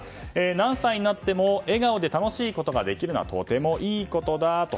何歳になっても笑顔で楽しいことができるのはとてもいいことだと。